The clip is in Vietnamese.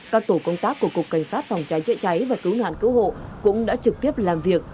các tổ công tác của cục cảnh sát phòng cháy chữa cháy và cứu nạn cứu hộ cũng đã trực tiếp làm việc